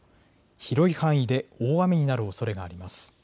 広い範囲で大雨になるおそれがあります。